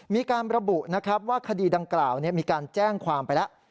มีการระบุนะครับว่าคดีดังกล่าวมีการแจ้งความไปแล้ว